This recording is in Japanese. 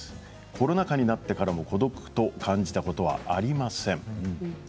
コロナ禍になってからも孤独と感じたことはありません。